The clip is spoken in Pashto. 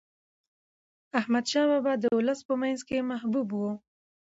احمد شاه بابا د ولس په منځ کې محبوب و.